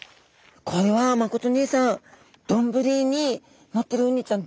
これは誠にいさんどんぶりにのってるウニちゃん